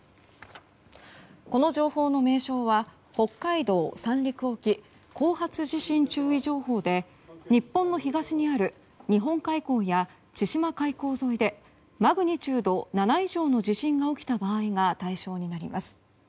この情報の名称は北海道・三陸沖後発地震注意情報で日本の東にある日本海溝や千島海溝沿いでマグニチュード７以上の地震が起きた場合が対象になります。